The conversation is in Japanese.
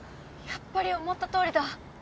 やっぱり思ったとおりだ。